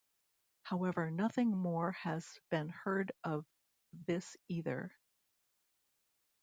However, nothing more has been heard of this either.